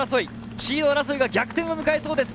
シード争いが逆転を迎えそうです。